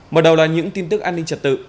mở đầu là những tin tức an ninh trật tự